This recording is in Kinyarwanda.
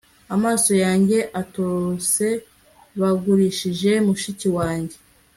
amaso yanjye atose. bagurishije mushiki wanjye